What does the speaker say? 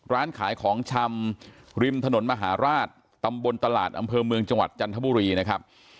ร้านขายของชำริมถนนมหาราชตำบลตลาดอำเภอเมืองจังหวัดจันทบุรีนะครับ